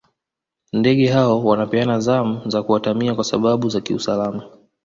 ndege hao wanapeana zamu za kuatamia kwa sababu za kiusalama